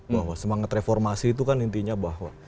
bahwa semangat reformasi itu kan intinya bahwa